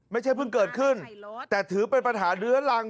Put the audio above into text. ไม่ใช่เพิ่งเกิดขึ้นแต่ถือเป็นปัญหาเรื้อรัง